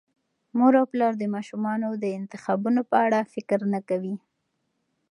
مور او پلار د ماشومانو د انتخابونو په اړه فکر نه کوي.